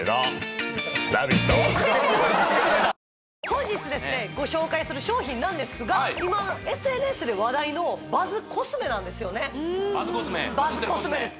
本日ですねご紹介する商品なんですが今ＳＮＳで話題のバズコスメバズコスメです